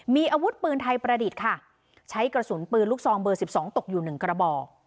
มีอาวุธปืนไทยประดิษฐ์ค่ะใช้กระสุนปืนลูกซองเบอร์๑๒ตกอยู่หนึ่งกระบอก